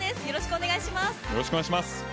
よろしくお願いします。